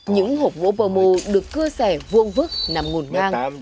những hộp gỗ bơ mu được cưa sẻ vuông vứt nằm ngổn ngang